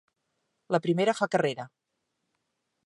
La primera fa carrera.